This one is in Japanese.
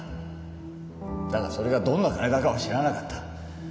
だがそれがどんな金だかは知らなかった。